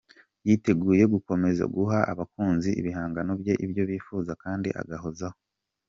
Yiteguye gukomeza guha abakunzi b'ibihangano bye ibyo bifuza kandi agahozaho.